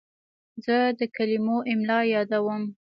زه د کلمو املا یادوم.